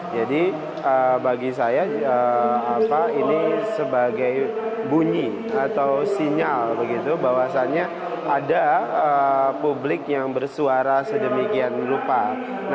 jadi bagi saya ini sebagai bunyi atau sinyal bahwasannya ada publik yang bersuara sedemikian rupanya